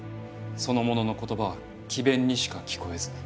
その者の言葉は詭弁にしか聞こえず。